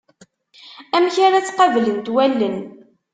Amek ara tt-qablent wallen.